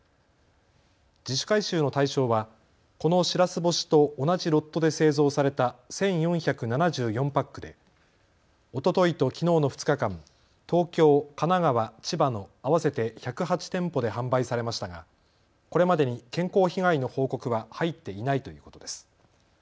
自主回収の対象はこのしらす干しと同じロットで製造された１４７４パックでおとといときのうの２日間、東京、神奈川、千葉の合わせて１０８店舗で販売されましたがこれまでに健康被害の報告は入っていないということです。